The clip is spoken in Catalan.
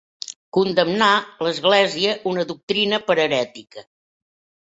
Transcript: Condemnar, l'Església, una doctrina per herètica.